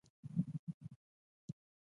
تږي، تږي د خپل کلي خپل وطن یم